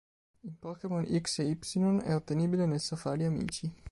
In "Pokémon X e Y" è ottenibile nel Safari Amici.